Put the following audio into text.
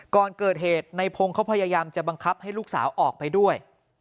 ก่อนเกิดเหตุในพงศ์เขาพยายามจะบังคับให้ลูกสาวออกไปด้วย